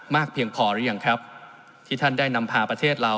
เพียงพอหรือยังครับที่ท่านได้นำพาประเทศเรา